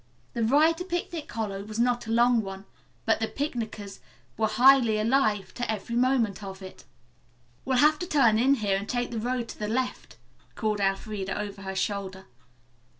The ride to Picnic Hollow was not a long one, but the picnickers were highly alive to every moment of it. "We'll have to turn in here and take the road to the left," called Elfreda over her shoulder.